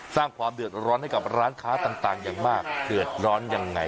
สร้างความเดือดร้อนให้กับร้านค้าต่างอย่างมากเดือดร้อนยังไง